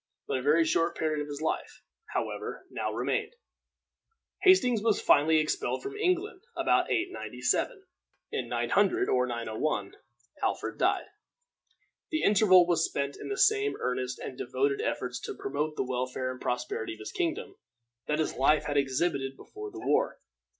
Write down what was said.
But a very short period of his life, however, now remained. Hastings was finally expelled from England about 897. In 900 or 901 Alfred died. The interval was spent in the same earnest and devoted efforts to promote the welfare and prosperity of his kingdom that his life had exhibited before the war.